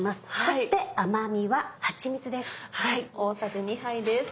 そして甘みははちみつです。